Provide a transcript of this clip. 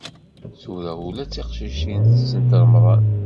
Tura ula d tiqcicin tettent remḍan.